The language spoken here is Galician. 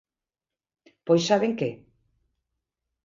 ¿Pois saben que?